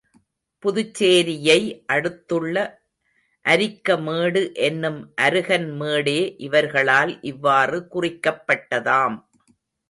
புதுச்சேரியை அடுத்துள்ள அரிக்கமேடு என்னும் அருகன் மேடே இவர்களால் இவ்வாறு குறிக்கப்பட்டதாம்.